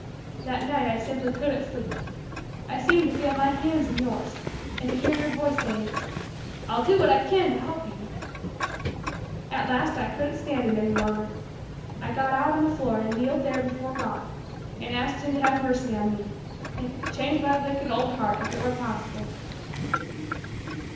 That night I simply couldn't sleep. I seemed to feel my hands in yours and to hear your voice saying, 'I'll do what I can to help you.' At last I couldn't stand it any longer. I got out on the floor and kneeled there before God, and I asked Him to have mercy on me, and change my wicked old heart if it were possible."